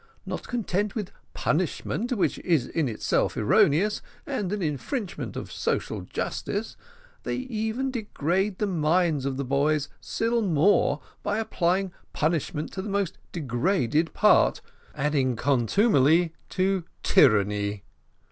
Not content with punishment, which is in itself erroneous and an infringement of social justice, they even degrade the minds of the boys still more by applying punishment to the most degraded part, adding contumely to tyranny.